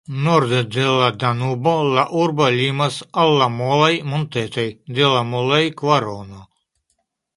Norde de la Danubo la urbo limas al la molaj montetoj de la Mulej-kvarono.